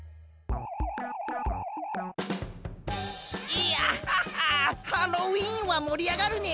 いやハロウィーンはもりあがるね！